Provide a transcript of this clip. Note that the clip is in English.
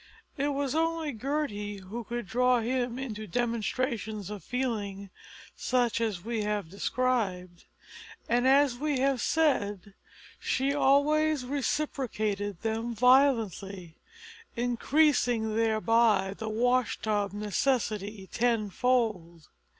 It was only Gertie who could draw him into demonstrations of feeling such as we have described, and, as we have said, she always reciprocated them violently, increasing thereby the wash tub necessity tenfold.